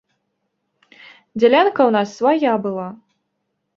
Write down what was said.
Дзялянка ў нас свая была.